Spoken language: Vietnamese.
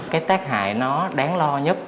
cái tác hại nó đáng lo nhất